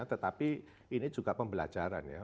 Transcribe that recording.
tetapi ini juga pembelajaran ya